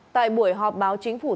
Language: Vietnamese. tại buổi họp báo chính phủ thượng